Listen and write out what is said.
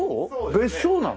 別荘なの？